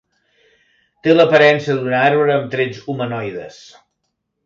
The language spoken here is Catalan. Té l'aparença d'un arbre amb trets humanoides.